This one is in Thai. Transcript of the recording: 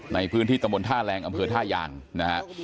ในพื้นที่ตำบลท่าแรงอำเภอท่ายางนะฮะ